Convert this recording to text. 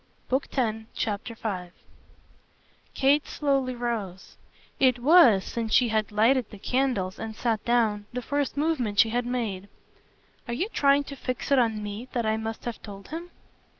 Book Tenth, Chapter 5 Kate slowly rose; it was, since she had lighted the candles and sat down, the first movement she had made. "Are you trying to fix it on me that I must have told him?"